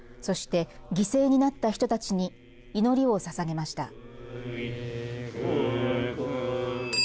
そして、犠牲になった人たちに祈りをささげました。